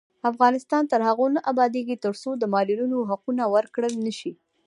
افغانستان تر هغو نه ابادیږي، ترڅو د معلولینو حقونه ورکړل نشي.